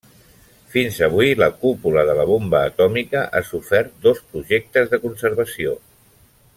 Fins avui, la Cúpula de la bomba atòmica ha sofert dos projectes de conservació.